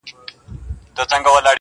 آثر د خپل یوه نظر وګوره ,